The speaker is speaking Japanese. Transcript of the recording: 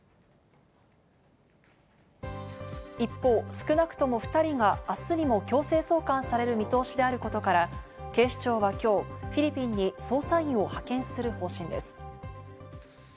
一方、少なくとも２人が明日にも強制送還される見通しであることから、警視庁は今日フィリピンに捜査員を派遣する方針です。